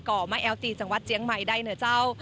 ่อมะแอลตีจังหวัดเจียงใหม่ได้เหนือเจ้า